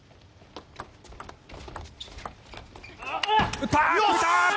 打った！